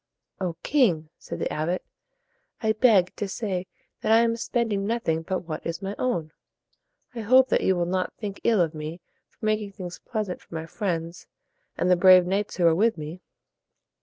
"O king!" said the abbot, "I beg to say that I am spending nothing but what is my own. I hope that you will not think ill of me for making things pleasant for my friends and the brave knights who are with me."